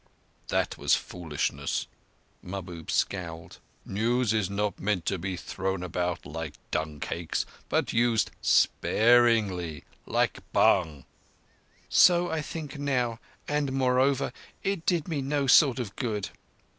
"That was foolishness." Mahbub scowled. "News is not meant to be thrown about like dung cakes, but used sparingly—like bhang." "So I think now, and moreover, it did me no sort of good.